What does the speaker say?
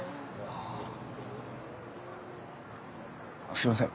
すみません